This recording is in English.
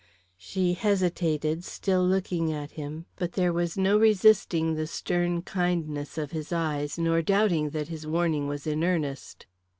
She hesitated, still looking at him; but there was no resisting the stern kindness of his eyes, nor doubting that his warning was in earnest.